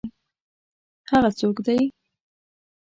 هغه څوک دی؟